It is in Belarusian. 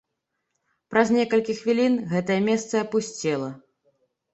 Праз некалькі хвілін гэтае месца апусцела.